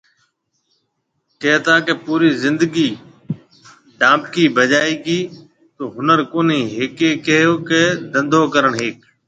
ڪهتا ڪي پوري زندگي ڊانبڪي بجائي ڪي ڪو هُنر ڪونهي ۿيکي ڪي، ڪو ڌنڌو ڪرڻ ۿيک